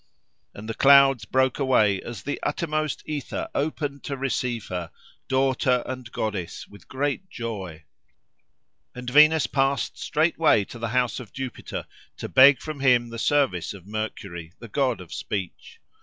And the clouds broke away, as the uttermost ether opened to receive her, daughter and goddess, with great joy. And Venus passed straightway to the house of Jupiter to beg from him the service of Mercury, the god of speech.